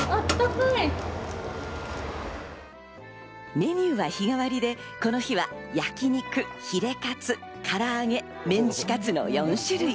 メニューは日替わりで、この日は焼き肉、ヒレカツ、からあげ、メンチカツの４種類。